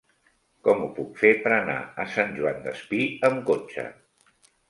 Com ho puc fer per anar a Sant Joan Despí amb cotxe?